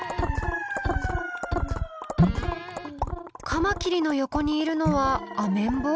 カマキリの横にいるのはアメンボ？